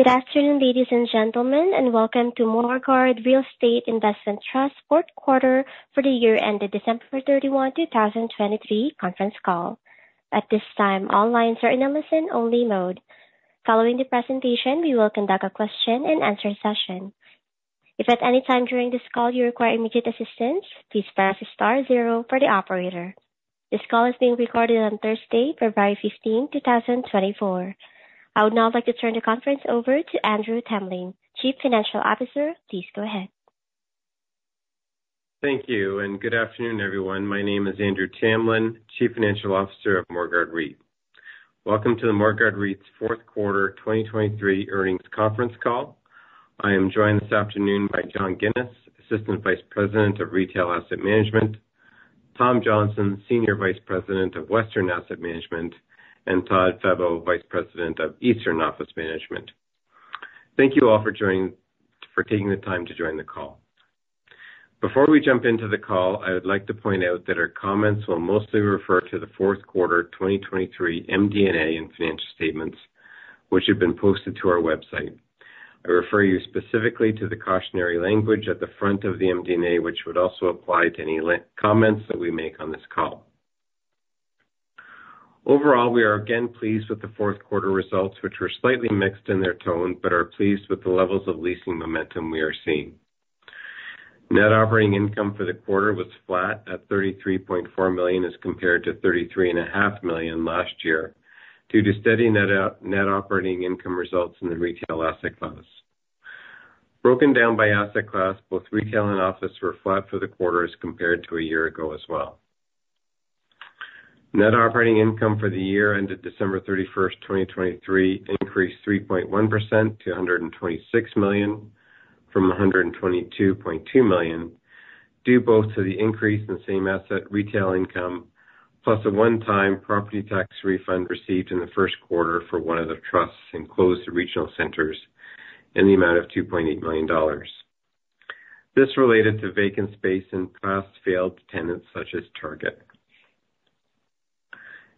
Good afternoon, ladies and gentlemen, and welcome to Morguard Real Estate Investment Trust Q4 for the year ended December 31, 2023 conference call. At this time, all lines are in a listen-only mode. Following the presentation, we will conduct a question and answer session. If at any time during this call you require immediate assistance, please press star zero for the operator. This call is being recorded on Thursday, February 15, 2024. I would now like to turn the conference over to Andrew Tamlin, Chief Financial Officer. Please go ahead. Thank you, and good afternoon, everyone. My name is Andrew Tamlin, Chief Financial Officer of Morguard REIT. Welcome to the Morguard REIT's Q4 2023 earnings conference call. I am joined this afternoon by John Ginis, Assistant Vice President of Retail Asset Management, Tom Johnston, Senior Vice President of Western Asset Management, and Todd Febbo, Vice President of Eastern Office Management. Thank you all for taking the time to join the call. Before we jump into the call, I would like to point out that our comments will mostly refer to the Q4 2023 MD&A and financial statements, which have been posted to our website. I refer you specifically to the cautionary language at the front of the MD&A, which would also apply to any live comments that we make on this call. Overall, we are again pleased with the Q4 results, which were slightly mixed in their tone, but are pleased with the levels of leasing momentum we are seeing. Net operating income for the quarter was flat at 33.4 million, as compared to 33.5 million last year, due to steady net operating income results in the retail asset class. Broken down by asset class, both retail and office were flat for the quarter as compared to a year ago as well. Net operating income for the year ended December 31, 2023, increased 3.1% to 126 million from 122.2 million, due both to the increase in same asset retail income, plus a one-time property tax refund received in the Q1 for one of the Trust's enclosed regional centers in the amount of 2.8 million dollars. This related to vacant space and like failed tenants such as Target.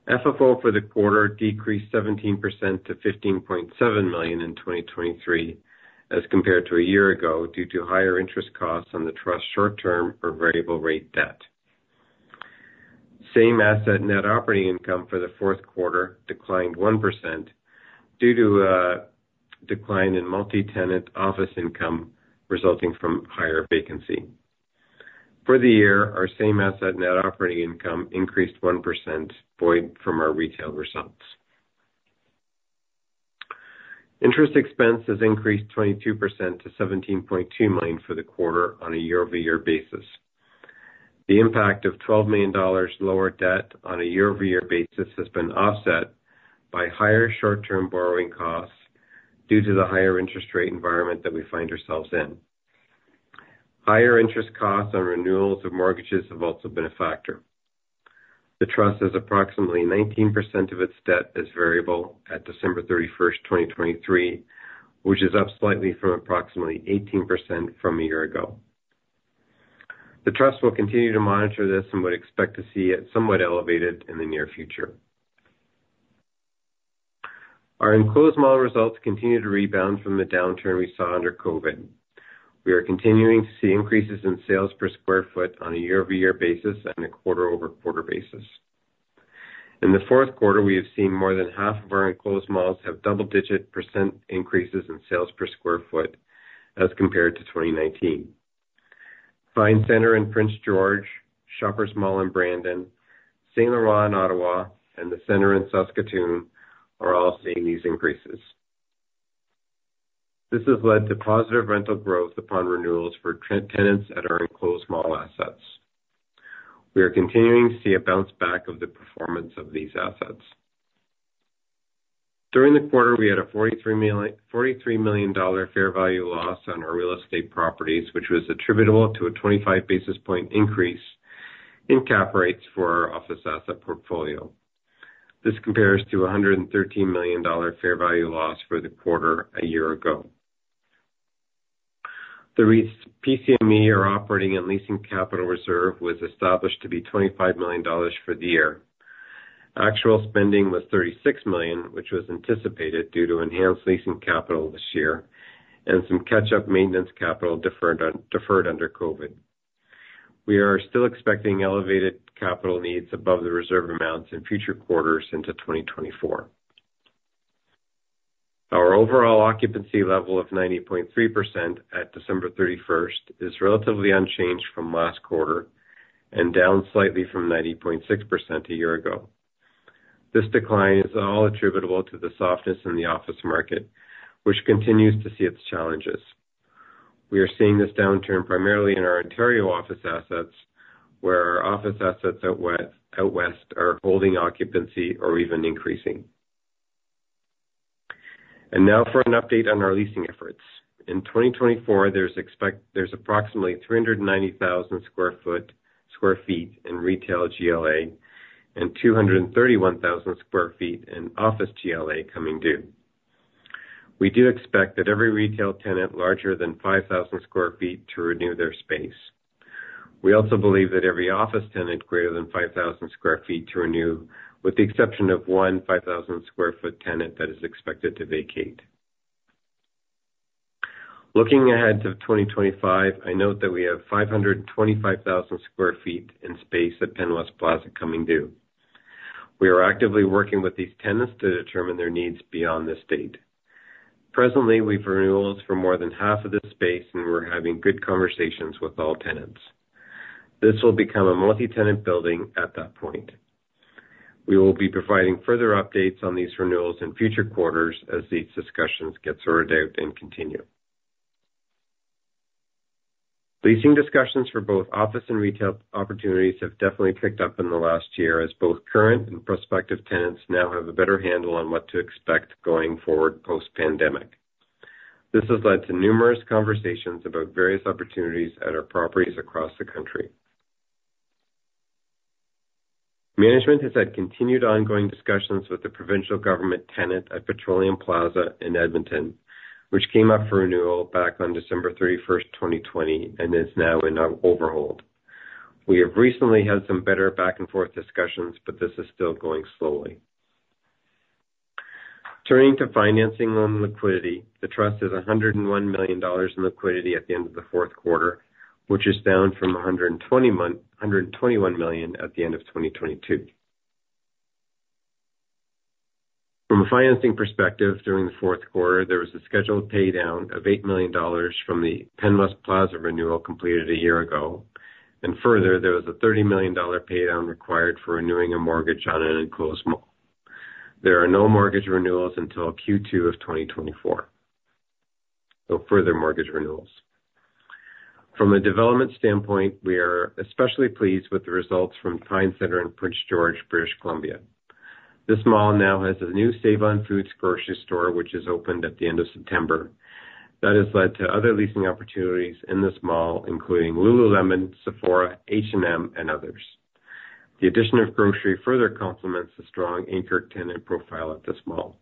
FFO for the quarter decreased 17% to 15.7 million in 2023, as compared to a year ago, due to higher interest costs on the Trust's short-term or variable rate debt. Same asset net operating income for the Q4 declined 1% due to a decline in multi-tenant office income, resulting from higher vacancy. For the year, our same asset net operating income increased 1% from our retail results. Interest expense has increased 22% to 17.2 million for the quarter on a year-over-year basis. The impact of 12 million dollars lower debt on a year-over-year basis has been offset by higher short-term borrowing costs due to the higher interest rate environment that we find ourselves in. Higher interest costs on renewals of mortgages have also been a factor. The Trust is approximately 19% of its debt is variable at December 31, 2023, which is up slightly from approximately 18% from a year ago. The Trust will continue to monitor this and would expect to see it somewhat elevated in the near future. Our enclosed mall results continue to rebound from the downturn we saw under COVID. We are continuing to see increases in sales per square foot on a year-over-year basis and a quarter-over-quarter basis. In the Q4, we have seen more than half of our enclosed malls have double-digit percent increases in sales per square foot as compared to 2019. Pine Centre in Prince George, Shoppers Mall in Brandon, St. Laurent in Ottawa, and The Centre in Saskatoon are all seeing these increases. This has led to positive rental growth upon renewals for our tenants at our enclosed mall assets. We are continuing to see a bounce back of the performance of these assets. During the quarter, we had a 43 million dollar fair value loss on our real estate properties, which was attributable to a 25 basis point increase in cap rates for our office asset portfolio. This compares to 113 million dollar fair value loss for the quarter a year ago. The REIT's PCME, or operating and leasing capital reserve, was established to be 25 million dollars for the year. Actual spending was 36 million, which was anticipated due to enhanced leasing capital this year and some catch-up maintenance capital deferred under COVID. We are still expecting elevated capital needs above the reserve amounts in future quarters into 2024. Our overall occupancy level of 90.3% at December 31st is relatively unchanged from last quarter and down slightly from 90.6% a year ago. This decline is all attributable to the softness in the office market, which continues to see its challenges. We are seeing this downturn primarily in our Ontario office assets, where our office assets out west, out west are holding occupancy or even increasing. And now for an update on our leasing efforts. In 2024, there's approximately 390,000 sq ft in retail GLA and 231,000 sq ft in office GLA coming due. We do expect that every retail tenant larger than 5,000 sq ft to renew their space. We also believe that every office tenant greater than 5,000 sq ft to renew, with the exception of one 5,000 sq ft tenant that is expected to vacate. Looking ahead to 2025, I note that we have 525,000 sq ft in space at Penn West Plaza coming due. We are actively working with these tenants to determine their needs beyond this date. Presently, we've renewals for more than half of this space, and we're having good conversations with all tenants. This will become a multi-tenant building at that point. We will be providing further updates on these renewals in future quarters as these discussions get sorted out and continue. Leasing discussions for both office and retail opportunities have definitely picked up in the last year, as both current and prospective tenants now have a better handle on what to expect going forward post-pandemic. This has led to numerous conversations about various opportunities at our properties across the country. Management has had continued ongoing discussions with the provincial government tenant at Petroleum Plaza in Edmonton, which came up for renewal back on December 31, 2020, and is now in our overhold. We have recently had some better back and forth discussions, but this is still going slowly. Turning to financing on liquidity, the Trust is 101 million dollars in liquidity at the end of the Q4, which is down from 121 million at the end of 2022. From a financing perspective, during the Q4, there was a scheduled paydown of 8 million dollars from the Penn West Plaza renewal completed a year ago, and further, there was a 30 million dollar paydown required for renewing a mortgage on an enclosed mall. There are no mortgage renewals until Q2 of 2024. No further mortgage renewals. From a development standpoint, we are especially pleased with the results from Pine Centre in Prince George, British Columbia. This mall now has a new Save-On-Foods grocery store, which is opened at the end of September. That has led to other leasing opportunities in this mall, including Lululemon, Sephora, H&M, and others. The addition of grocery further complements the strong anchor tenant profile at this mall.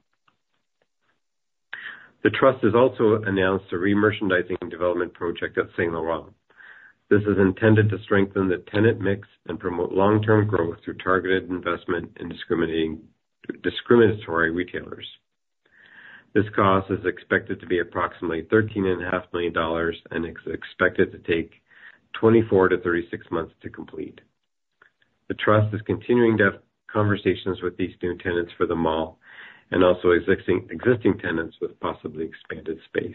The Trust has also announced a remerchandising development project at St. Laurent. This is intended to strengthen the tenant mix and promote long-term growth through targeted investment in discriminating - discriminatory retailers. This cost is expected to be approximately 13.5 million dollars and is expected to take 24-36 months to complete. The Trust is continuing to have conversations with these new tenants for the mall and also existing tenants with possibly expanded space.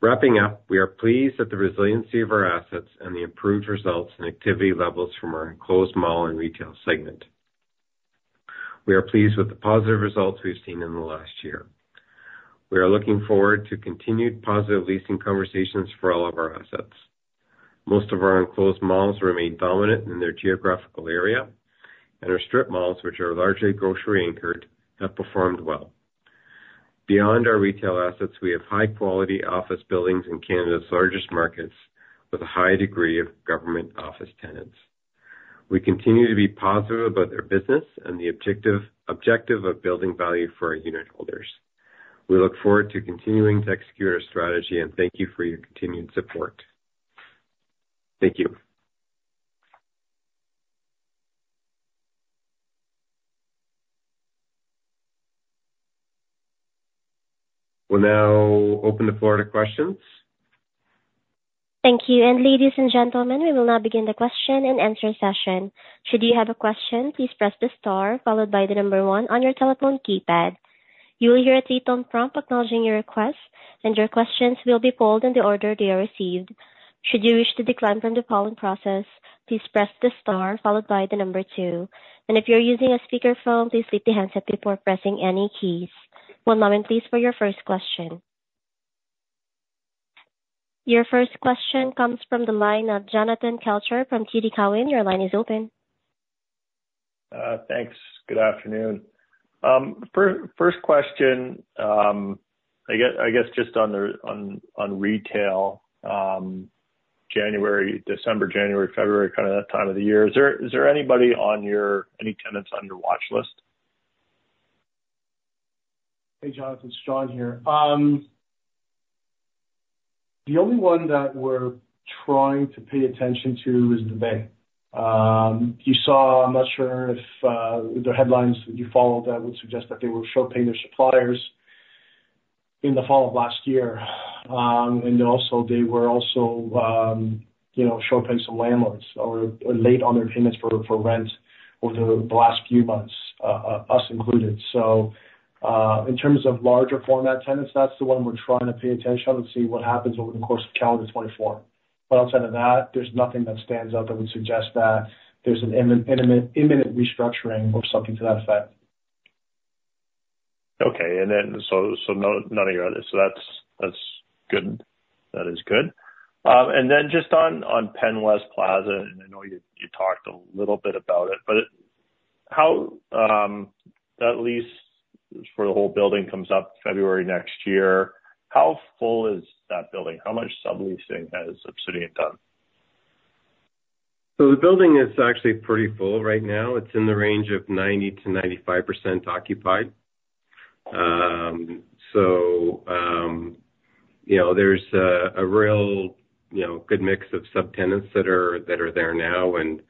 Wrapping up, we are pleased at the resiliency of our assets and the improved results and activity levels from our enclosed mall and retail segment. We are pleased with the positive results we've seen in the last year. We are looking forward to continued positive leasing conversations for all of our assets. Most of our enclosed malls remain dominant in their geographical area, and our strip malls, which are largely grocery anchored, have performed well. Beyond our retail assets, we have high quality office buildings in Canada's largest markets, with a high degree of government office tenants. We continue to be positive about their business and the objective, objective of building value for our unitholders. We look forward to continuing to execute our strategy, and thank you for your continued support. Thank you. We'll now open the floor to questions. Thank you. And ladies and gentlemen, we will now begin the question and answer session. Should you have a question, please press the star followed by the number one on your telephone keypad. You will hear a three-tone prompt acknowledging your request, and your questions will be pulled in the order they are received. Should you wish to decline from the polling process, please press the star followed by the number two. And if you're using a speakerphone, please lift the handset before pressing any keys. One moment, please, for your first question. Your first question comes from the line of Jonathan Kelcher from TD Cowen. Your line is open. Thanks. Good afternoon. First question, I guess, I guess just on the retail, January, December, January, February, kind of that time of the year. Is there anybody on your. Any tenants on your watch list? Hey, Jonathan, it's John here. The only one that we're trying to pay attention to is The Bay. You saw, I'm not sure if the headlines you followed that would suggest that they were short paying their suppliers in the fall of last year. And also, they were also, you know, short paying some landlords or late on their payments for rent over the last few months, us included. So, in terms of larger format tenants, that's the one we're trying to pay attention to and see what happens over the course of calendar 2024. But outside of that, there's nothing that stands out that would suggest that there's an imminent restructuring or something to that effect. Okay. And then, so nothing other. So that's good. That is good. And then just on Penn West Plaza, and I know you talked a little bit about it, but how that lease for the whole building comes up February next year. How full is that building? How much subleasing has Obsidian done? So the building is actually pretty full right now. It's in the range of 90%-95% occupied. So, you know, there's a real, you know, good mix of subtenants that are there now, and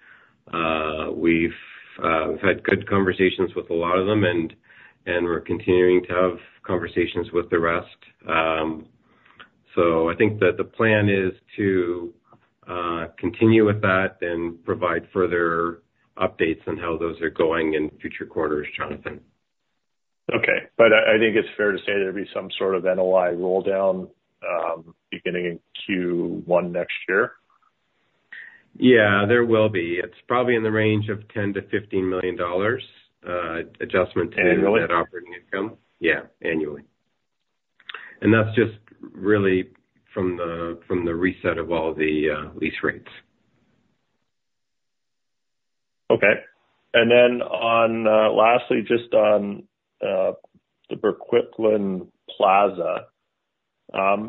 we've had good conversations with a lot of them and we're continuing to have conversations with the rest. So I think that the plan is to continue with that and provide further updates on how those are going in future quarters, Jonathan. Okay. But I think it's fair to say there'd be some sort of NOI rolldown, beginning in Q1 next year? Yeah, there will be. It's probably in the range of 10 million-15 million dollars, adjustment- Annually? To net operating income. Yeah, annually. And that's just really from the, from the reset of all the lease rates. Okay. And then on, lastly, just on, the Burquitlam Plaza,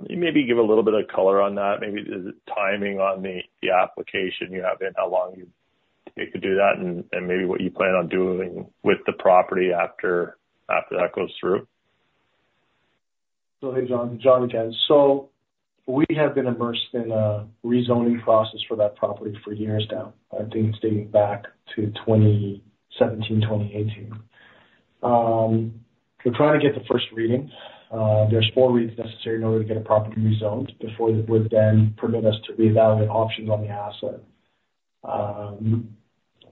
maybe give a little bit of color on that. Maybe the timing on the application you have and how long you take to do that, and maybe what you plan on doing with the property after that goes through. So hey, John, John again. So we have been immersed in a rezoning process for that property for years now. I think dating back to 2017, 2018. We're trying to get the first reading. There's four readings necessary in order to get a property rezoned before it would then permit us to reevaluate options on the asset.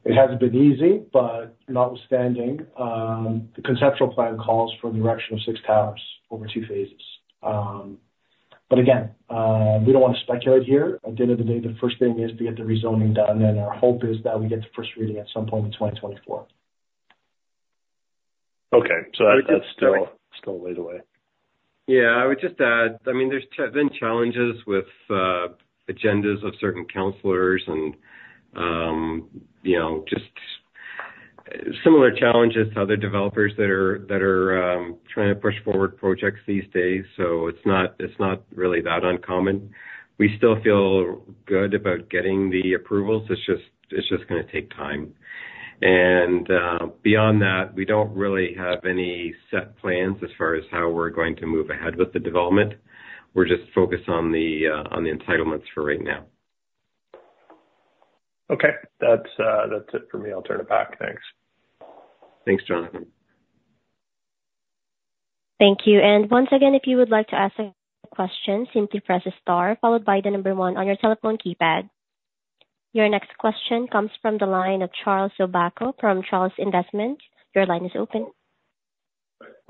It hasn't been easy, but notwithstanding, the conceptual plan calls for the erection of six towers over two phases. But again, we don't want to speculate here. At the end of the day, the first thing is to get the rezoning done, and our hope is that we get the first reading at some point in 2024. Okay. So that's still a way away. Yeah, I would just add, I mean, there's been challenges with agendas of certain councilors and, you know, just similar challenges to other developers that are trying to push forward projects these days. So it's not, it's not really that uncommon. We still feel good about getting the approvals. It's just, it's just gonna take time. And, beyond that, we don't really have any set plans as far as how we're going to move ahead with the development. We're just focused on the entitlements for right now. Okay. That's it for me. I'll turn it back. Thanks. Thanks, Jonathan. Thank you. Once again, if you would like to ask a question, simply press star, followed by the number one on your telephone keypad. Your next question comes from the line of Charles Zabaco from Charles Investment. Your line is open.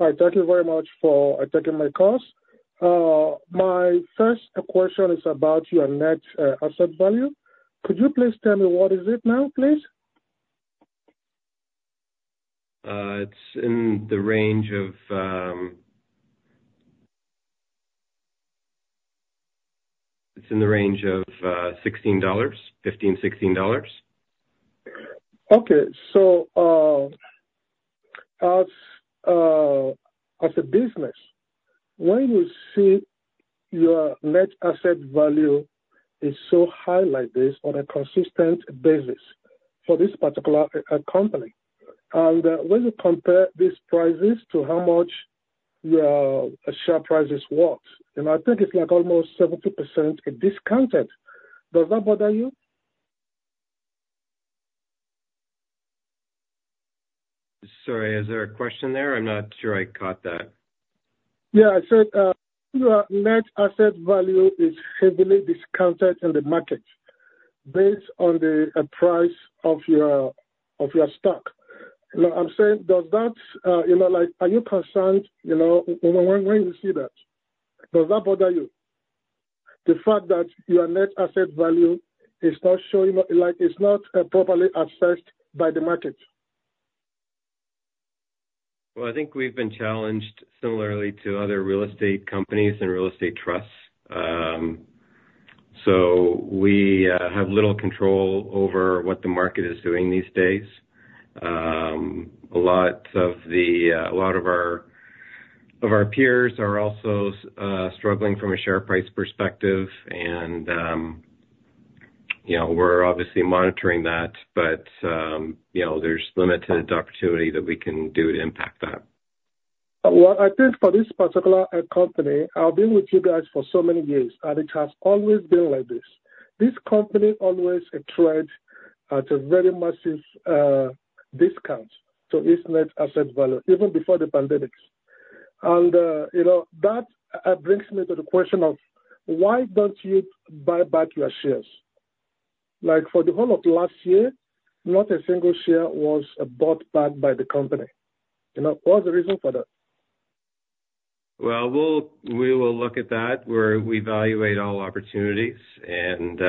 Hi, thank you very much for taking my call. My first question is about your net asset value. Could you please tell me what is it now, please? It's in the range of 16 dollars. CAD 15, CAD 16. Okay. As a business, why you see your net asset value is so high like this on a consistent basis for this particular company? When you compare these prices to how much your share price is worth, and I think it's like almost 70% discounted. Does that bother you? Sorry, is there a question there? I'm not sure I caught that. Yeah, I said, your net asset value is heavily discounted in the market based on the price of your, of your stock. I'm saying, does that, you know, like, are you concerned, you know, when, when you see that? Does that bother you, the fact that your net asset value is not showing, like, is not properly assessed by the market? Well, I think we've been challenged similarly to other real estate companies and real estate trusts. We have little control over what the market is doing these days. A lot of our peers are also struggling from a share price perspective, and you know, we're obviously monitoring that, but you know, there's limited opportunity that we can do to impact that. Well, I think for this particular company, I've been with you guys for so many years, and it has always been like this. This company always trade at a very massive discount to its net asset value, even before the pandemic. And you know, that brings me to the question of: Why don't you buy back your shares? Like, for the whole of last year, not a single share was bought back by the company. You know, what's the reason for that? Well, we will look at that. We evaluate all opportunities, and,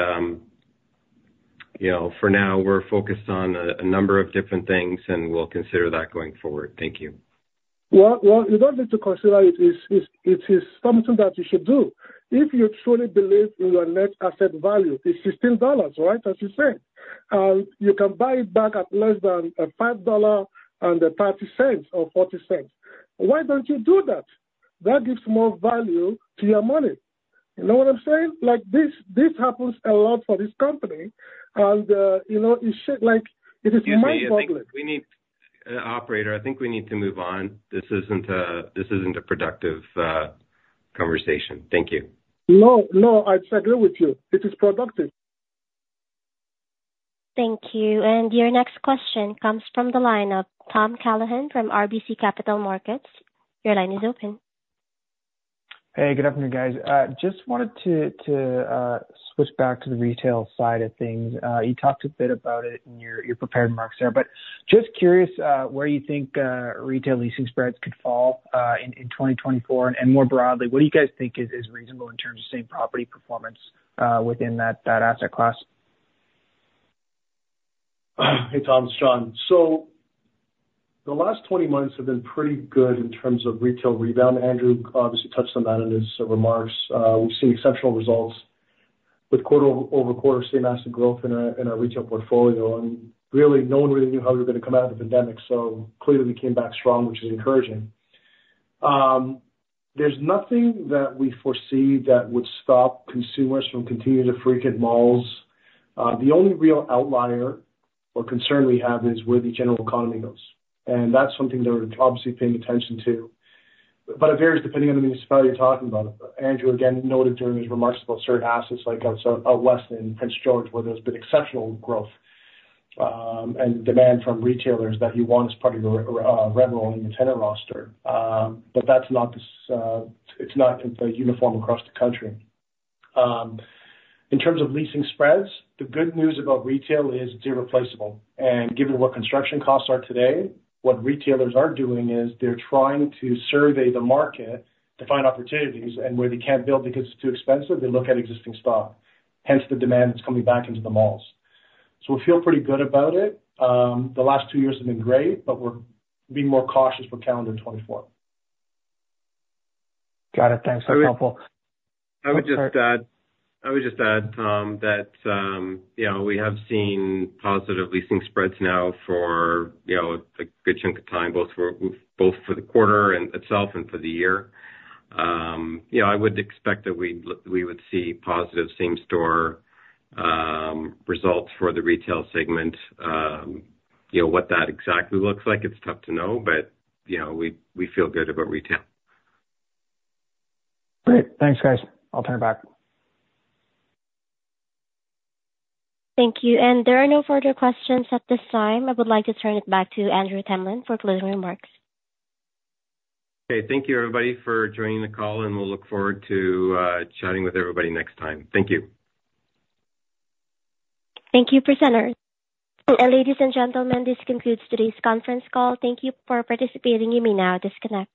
you know, for now, we're focused on a number of different things, and we'll consider that going forward. Thank you. Well, well, you don't need to consider it. It is something that you should do. If you truly believe in your net asset value, it's 16 dollars, right? As you said. You can buy it back at less than 5.30 dollar or 5.40. Why don't you do that? That gives more value to your money. You know what I'm saying? Like, this happens a lot for this company, and you know, it should like, it is mind-boggling. Excuse me, I think we need, operator, I think we need to move on. This isn't a, this isn't a productive, conversation. Thank you. No, no, I agree with you. It is productive. Thank you. And your next question comes from the line of Tom Callaghan from RBC Capital Markets. Your line is open. Hey, good afternoon, guys. Just wanted to, to switch back to the retail side of things. You talked a bit about it in your prepared remarks there, but just curious, where you think retail leasing spreads could fall in 2024. And more broadly, what do you guys think is reasonable in terms of same property performance within that asset class? Hey, Tom, it's John. So the last 20 months have been pretty good in terms of retail rebound. Andrew obviously touched on that in his remarks. We've seen exceptional results with quarter-over-quarter same asset growth in our retail portfolio, and really, no one really knew how we were going to come out of the pandemic. So clearly we came back strong, which is encouraging. There's nothing that we foresee that would stop consumers from continuing to frequent malls. The only real outlier or concern we have is where the general economy goes, and that's something that we're obviously paying attention to, but it varies depending on the municipality you're talking about. Andrew again noted during his remarks about certain assets, like out west in Prince George, where there's been exceptional growth and demand from retailers that he wants part of the re-rolling the tenant roster. But that's not the same, it's not uniform across the country. In terms of leasing spreads, the good news about retail is it's irreplaceable, and given what construction costs are today, what retailers are doing is they're trying to survey the market to find opportunities, and where they can't build because it's too expensive, they look at existing stock, hence the demand that's coming back into the malls. So we feel pretty good about it. The last two years have been great, but we're being more cautious for calendar 2024. Got it. Thanks. That's helpful. I would just add, I would just add, Tom, that, you know, we have seen positive leasing spreads now for, you know, a good chunk of time, both for, both for the quarter in itself and for the year. You know, I would expect that we would see positive same store results for the retail segment. You know, what that exactly looks like, it's tough to know, but, you know, we, we feel good about retail. Great. Thanks, guys. I'll turn it back. Thank you. There are no further questions at this time. I would like to turn it back to Andrew Tamlin for closing remarks. Okay. Thank you, everybody, for joining the call, and we'll look forward to chatting with everybody next time. Thank you. Thank you, presenters. Ladies and gentlemen, this concludes today's conference call. Thank you for participating. You may now disconnect.